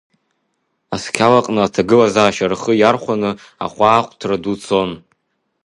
Асқьалаҟны аҭагылазаашьа рхы иархәаны ахәаахәҭра ду цон.